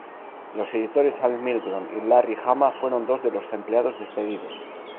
Los editores Al Milgrom y Larry Hama fueron dos de los empleados despedidos.